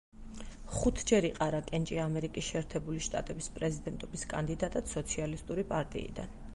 ხუთჯერ იყარა კენჭი ამერიკის შეერთებული შტატების პრეზიდენტობის კანდიდატად სოციალისტური პარტიიდან.